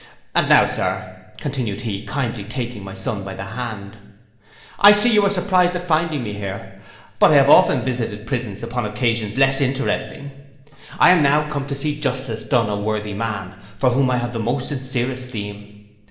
And now, Sir,' continued he, kindly taking my son by the hand, 'I see you are surprised at finding me here; but I have often visited prisons upon occasions less interesting. I am now come to see justice done a worthy man, for whom I have the most sincere esteem.